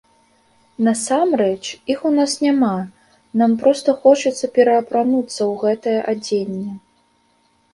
Насамрэч, іх у нас няма, нам проста хочацца пераапрануцца ў гэтае адзенне.